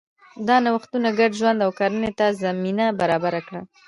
دا نوښتونه ګډ ژوند او کرنې ته زمینه برابره کړه.